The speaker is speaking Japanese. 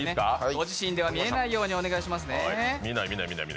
ご自身では見えないようにお願いしますね。